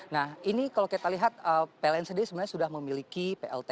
nah ini kalau kita lihat pln sendiri sebenarnya sudah memiliki plt